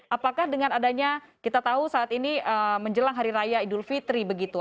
apakah dengan adanya kita tahu saat ini menjelang hari raya idul fitri begitu